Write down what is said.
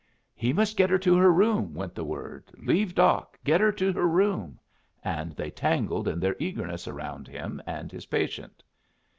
"He must get her to her room," went the word. "Leave Doc get her to her room." And they tangled in their eagerness around him and his patient.